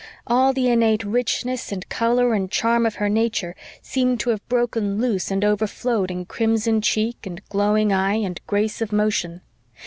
All the innate richness and color and charm of her nature seemed to have broken loose and overflowed in crimson cheek and glowing eye and grace of motion.